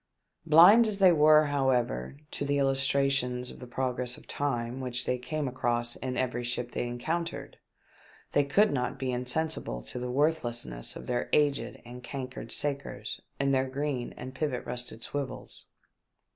Blind as they were, however, to those illustrations of the progress of time which they came across in every ship they encountered, they could not be insensible to the worthlessness of their aged and cankered sakers and their green and pivot rusted swivels.